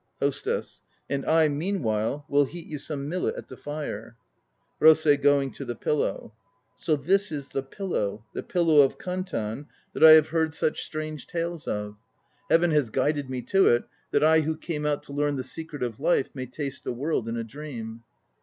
HOSTESS. And I meanwhile will heat you some millet at the fire. ROSEI (going to the bed). So this is the pillow, the Pillow of Kantan that I have heard such 158 THE NO PLAYS OF JAPAN strange tales of? Heaven has guided me to it, that I who came out to learn the secret of life may taste the world in a dream.